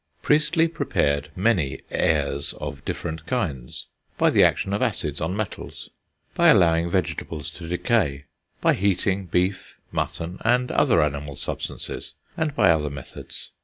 Priestley prepared many "airs" of different kinds: by the actions of acids on metals, by allowing vegetables to decay, by heating beef, mutton, and other animal substances, and by other methods.